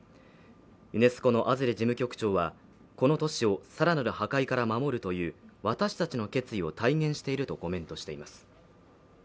ユネスコのアズレ事務局長はこの都市を更なる破壊から守るという私たちの決意を体現しているとコメントしています。